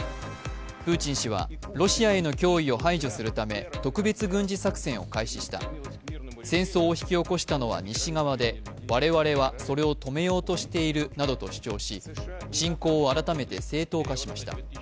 プーチン氏は、ロシアへの脅威を排除するため特別軍事作戦を開始した、戦争を引き起こしたのは西側で、我々はそれを止めようとしているなどと主張し、侵攻を改めて正当化しました。